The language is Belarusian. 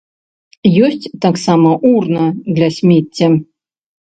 Ёсць таксама урна для смецця.